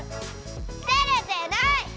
てれてない！